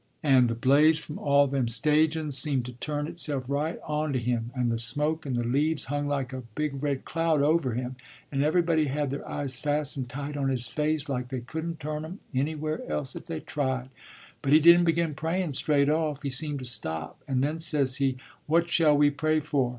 and the blaze from all them stageun's seemed to turn itself right onto him, and the smoke and the leaves hung like a big red cloud over him, and everybody had their eyes fastened tight on his face, like they couldn't turn 'em anywhere else if they tried. But he didn't begin prayun' straight off. He seemed to stop, and then says he, 'What shall we pray for?'